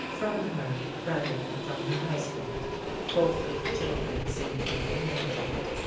From her, rather than from her husband, both of the children seemed to have inherited.